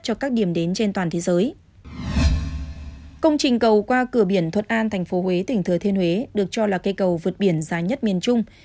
công trình cầu qua cửa biển thuận an tp huế tỉnh thừa thiên huế được cho là cây cầu vượt biển dài nhất miền trung